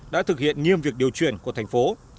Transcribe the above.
đã thực hiện nghiêm việc điều chuyển của thành phố